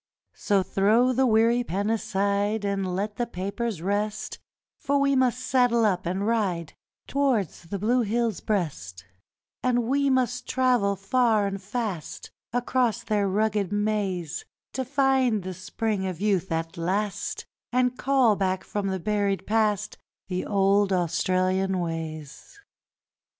So throw the weary pen aside And let the papers rest, For we must saddle up and ride Towards the blue hill's breast; And we must travel far and fast Across their rugged maze, To find the Spring of Youth at last, And call back from the buried past The old Australian ways.